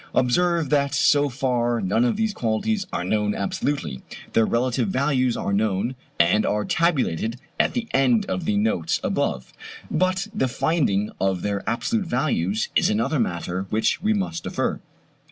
Observe that so far none of these quantities are known absolutely. Their relative values are known, and are tabulated at the end of the Notes above, but the finding of their absolute values is another matter, which we must defer.